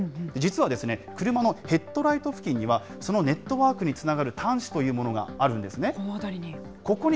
実は、車のヘッドライト付近には、そのネットワークにつながる端子この辺りに。